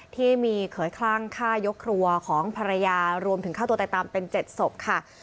ที่มีเขยคลั่งฆ่ายกครัวของภรรยารวมถึงฆ่าตัวตายตามเป็น๗ศพค่ะ